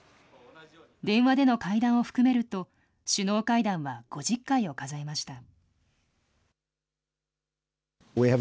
電話での会談を含めると、首脳会談は５０回を数えました。